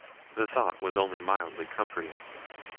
The thought was only mildly comforting.